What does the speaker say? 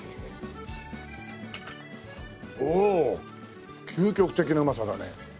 おお究極的なうまさだね。